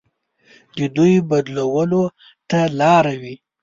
د دوی بدلولو ته لاره وي.